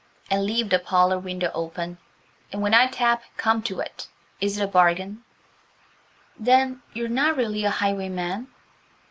And leave the parlour window open. And when I tap, come to it. Is it a bargain?" "Then you're not really a highwayman?"